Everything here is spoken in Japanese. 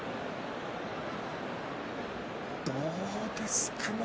どうですかね。